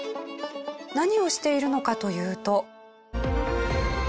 何をしているのかというと。